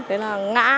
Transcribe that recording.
đấy là ngã